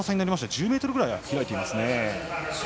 １０ｍくらい開いていますね。